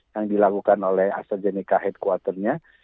yang dilakukan oleh astrazeneca headquatornya